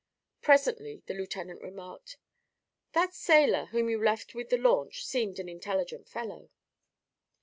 Presently the lieutenant remarked: "That sailor whom you left with the launch seemed an intelligent fellow."